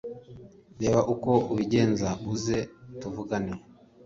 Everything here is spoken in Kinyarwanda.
reba uko ubigenza uze tuvugane